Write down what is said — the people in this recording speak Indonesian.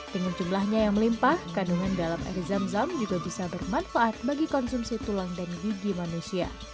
dengan jumlahnya yang melimpah kandungan dalam air zam zam juga bisa bermanfaat bagi konsumsi tulang dan gigi manusia